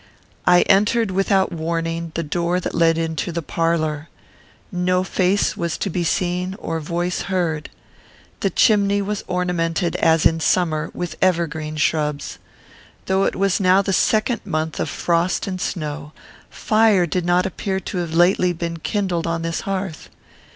I entered, without warning, the door that led into the parlour. No face was to be seen or voice heard. The chimney was ornamented, as in summer, with evergreen shrubs. Though it was now the second month of frost and snow, fire did not appear to have been lately kindled on this hearth.